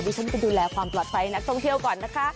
ฉันไปดูแลความปลอดภัยนักท่องเที่ยวก่อนนะคะ